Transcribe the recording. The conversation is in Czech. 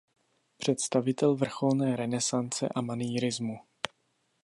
Představitel vrcholné renesance a manýrismu.